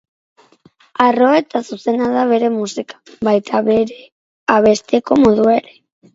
Harroa eta zuzena da bere musika, baita bere abesteko modua ere.